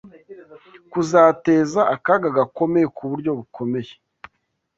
kuzateza akaga gakomeye kuburyo bukomeye